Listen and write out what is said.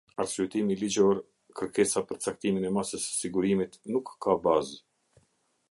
Arsyetimi ligjor Kërkesa për caktimin e masës së sigurimit nuk ka bazë.